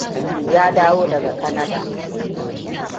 Ya dawo daga Kanada.